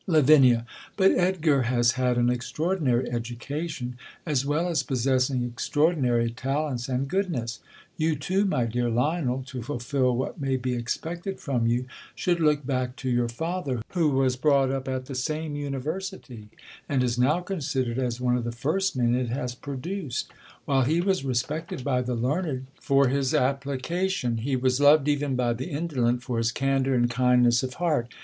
Lav, But Edgar has had an extraordinary educa* tion, as well as possessing extraordinary talents and goodness ; you too, my dear Lionel, to fulfil what may be expected from you, should look back to your father, who was brought up at the same University, and is now considered as one of the first men it has produced. While he was respected by the learned for his ap plication, he was loved even by the indolent for his candour and kindness of heart.